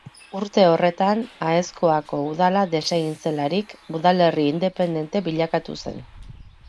Urte horretan, Aezkoako udala desegin zelarik, udalerri independente bilakatu zen.